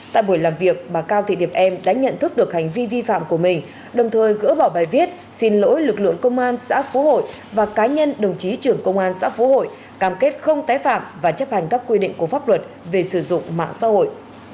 tại buổi làm việc bà cao thị điệp em đã nhận thức được hành vi vi phạm của mình đồng thời gỡ bỏ bài viết xin lỗi lực lượng công an xã phú hội và cá nhân đồng chí trưởng công an xã phú hội cam kết không tái phạm và chấp hành các quy định của pháp luật về sử dụng mạng xã hội